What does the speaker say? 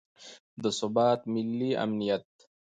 د ثبات، ملي امنیت